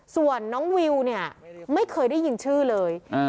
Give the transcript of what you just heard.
ส่วนน้องวิวเนี่ยไม่เคยได้ยินชื่อเลย